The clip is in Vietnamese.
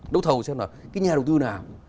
đấu thầu xem là cái nhà đầu tư nào